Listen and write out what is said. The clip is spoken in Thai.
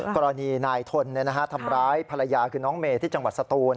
กรณีนายทนทำร้ายภรรยาคือน้องเมย์ที่จังหวัดสตูน